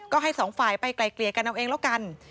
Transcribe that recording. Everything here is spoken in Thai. ก็ให้สองฝ่ายไปไกลเกลี่ยกันเอาเองแล้วกัน